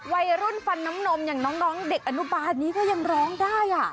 ฟันน้ำนมอย่างน้องเด็กอนุบาลนี้ก็ยังร้องได้